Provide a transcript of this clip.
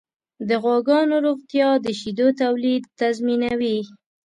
د غواګانو روغتیا د شیدو تولید تضمینوي.